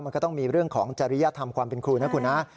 มันก็ต้องมีเรื่องของจริยธรรมความเป็นครูนะคุณนะ